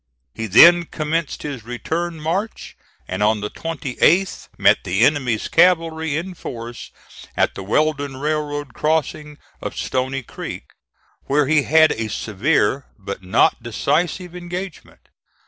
He then commenced his return march, and on the 28th met the enemy's cavalry in force at the Weldon Railroad crossing of Stony Creek, where he had a severe but not decisive engagement.